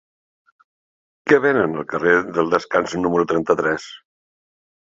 Què venen al carrer del Descans número trenta-tres?